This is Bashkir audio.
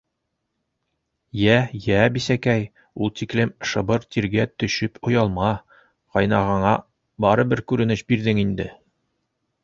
— Йә, йә, бисәкәй, ул тиклем шыбыр тиргә төшөп оялма. ҡайнағаңа барыбер күренеш бирҙең инде.